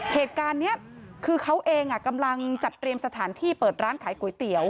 เหตุการณ์นี้คือเขาเองกำลังจัดเตรียมสถานที่เปิดร้านขายก๋วยเตี๋ยว